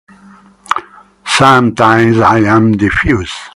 Sometimes I am diffuse.